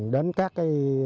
đến các bà con nông dân